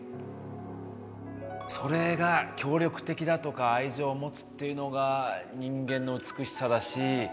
それが協力的だとか愛情を持つっていうのが人間の美しさだし。